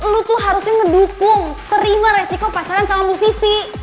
lo tuh harusnya ngedukung terima resiko pacaran sama musisi